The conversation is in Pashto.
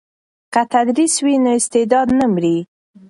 که تدریس وي نو استعداد نه مري.